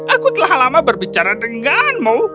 aku telah lama berbicara dengan mu